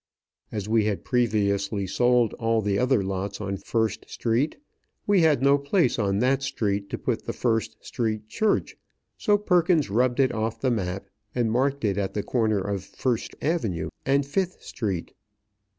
As we had previously sold all the other lots on First Street, we had no place on that street to put the First Street Church, so Perkins rubbed it off the map, and marked it at the corner of First Avenue and Fifth Street.